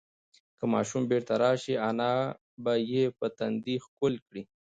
که ماشوم بیرته راشي، انا به یې په تندي ښکل کړي.